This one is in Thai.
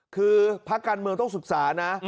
คือพักการเมืองต้องศึกษานะ